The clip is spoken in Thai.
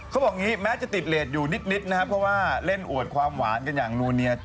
เขาบอกอย่างนี้แม้จะติดเลสอยู่นิดนะครับเพราะว่าเล่นอวดความหวานกันอย่างนูเนีย